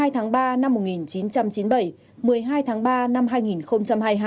hai mươi tháng ba năm một nghìn chín trăm chín mươi bảy một mươi hai tháng ba năm hai nghìn hai mươi hai